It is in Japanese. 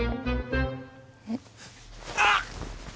えっ？あっ！